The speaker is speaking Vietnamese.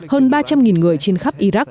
hơn ba trăm linh người trên khắp iraq